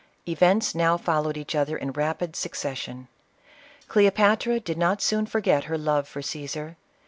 Events now followed each other in rapid succession. Cleopatra did not soon forget her love for Ctesar.